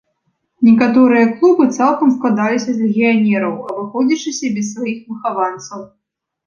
Некаторыя клубы цалкам складаліся з легіянераў, абыходзячыся без сваіх выхаванцаў.